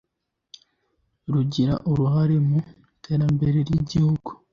rugira uruhare mu iterambere ry’igihugu